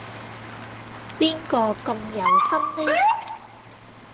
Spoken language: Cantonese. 邊個咁有心呢？